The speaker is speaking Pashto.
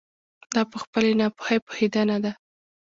دا په خپلې ناپوهي پوهېدنه ده.